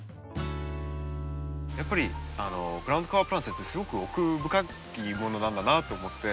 やっぱりグラウンドカバープランツってすごく奥深いものなんだなと思って。